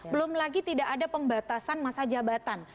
belum lagi tidak ada pembatasan masa jabatan